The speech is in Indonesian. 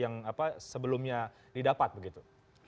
yang sebelumnya didapat begitu